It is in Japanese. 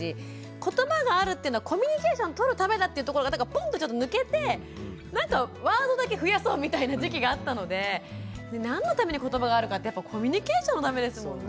ことばがあるっていうのはコミュニケーションとるためだっていうところがポンとちょっと抜けてなんかワードだけ増やそうみたいな時期があったので何のためにことばがあるかってやっぱコミュニケーションのためですもんね。